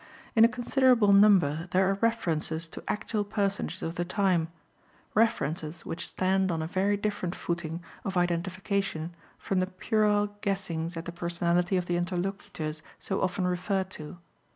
In a considerable number there are references to actual personages of the time references which stand on a very different footing of identification from the puerile guessings at the personality of the interlocutors so often referred to.